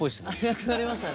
なくなりましたね。